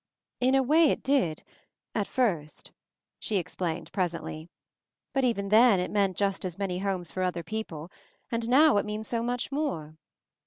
"In a way it did — at first;" she explained presently, "but even then it meant just as many homes for other people, and now it means so much more